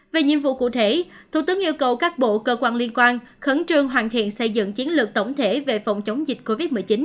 về nhiệm vụ cụ thể thủ tướng yêu cầu các bộ cơ quan liên quan khẩn trương hoàn thiện xây dựng chiến lược tổng thể về phòng chống dịch covid một mươi chín